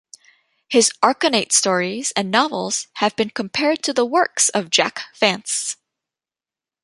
His Archonate stories and novels have been compared to the works of Jack Vance.